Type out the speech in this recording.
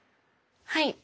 はい。